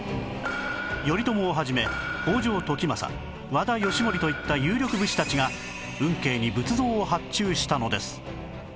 頼朝を始め北条時政和田義盛といった有力武士たちが運慶に仏像を発注したのです